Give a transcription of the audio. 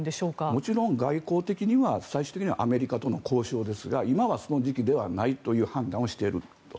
もちろん外交的には最終的にはアメリカとの交渉ですが今はその時期ではないという判断をしていると。